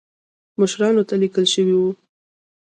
مشرانو ته لیکل شوي وو.